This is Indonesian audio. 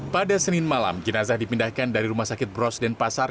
pada senin malam jenazah dipindahkan dari rumah sakit bros denpasar